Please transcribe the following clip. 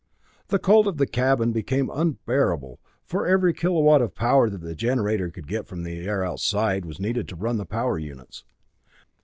The cold of the cabin became unbearable, for every kilowatt of power that the generator could get from the air outside was needed to run the power units.